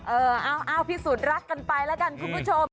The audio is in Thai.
เออเอาพิสูจน์รักกันไปแล้วกันคุณผู้ชม